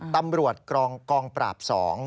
ตำรวจกองปราบ๒